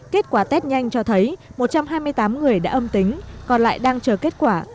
kết quả test nhanh cho thấy một trăm hai mươi tám người đã âm tính còn lại đang chờ kết quả